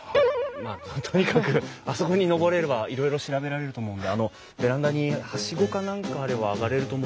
まあとにかくあそこに登れればいろいろ調べられると思うんであのベランダにはしごか何かあれば上がれると思うんですけど。